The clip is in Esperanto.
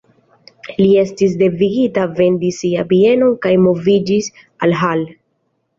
Li estis devigita vendi sian bienon kaj moviĝis al Hall.